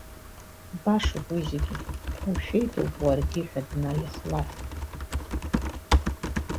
Башоуп уи зегьы, ушәеит ауп уаргьы ҳәа днаихлафит.